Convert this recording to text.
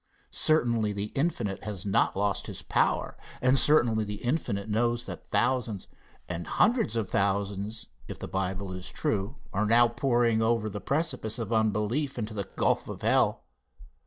Certainly, the Infinite has not lost his power, and certainly the Infinite knows that thousands and hundreds of thousands, if the Bible is true, are now pouring over the precipice of unbelief into the gulf of hell.